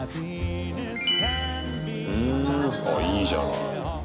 ふんあ、いいじゃない。